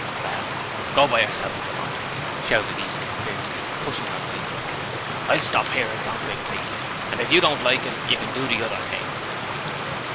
'Well, go by yourself if you want to!' shouted Easton fiercely, pushing her away from him. 'I shall stop 'ere as long as I please, and if you don't like it you can do the other thing.'